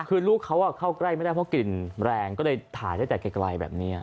คือลูกเขาเข้าใกล้ไม่ได้เพราะกลิ่นแรงก็เลยถ่ายได้แต่ไกลแบบนี้